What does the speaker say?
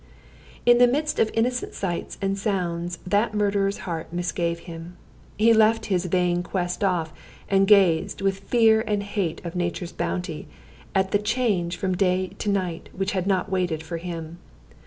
In the midst of innocent sights and sounds that murderer's heart misgave him. He left his vain quest off, and gazed, with fear and hate of nature's beauty, at the change from day to night which had not waited for him.